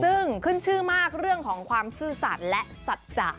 ซึ่งขึ้นชื่อมากเรื่องของความซื่อสัตว์และสัจจะ